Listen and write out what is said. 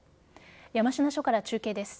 山科署から中継です。